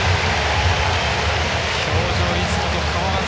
表情いつもと変わらず。